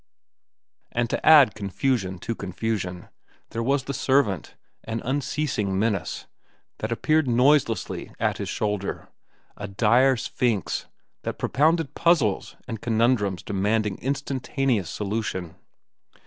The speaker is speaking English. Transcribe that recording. And to add confusion to confusion, there was the servant, an unceasing menace, that appeared noiselessly at his shoulder, a dire Sphinx that propounded puzzles and conundrums demanding instantaneous solution.